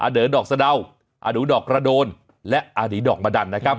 อเด๋อดอกสะดาวอดูดอกระโดนและอดีธรรมดรนะครับ